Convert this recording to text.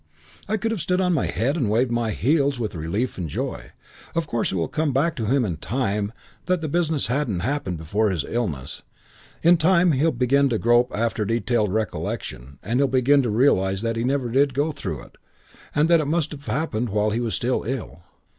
"I could have stood on my head and waved my heels with relief and joy. Of course it will come back to him in time that the business hadn't happened before his illness. In time he'll begin to grope after detailed recollection, and he'll begin to realise that he never did go through it and that it must have happened while he was ill.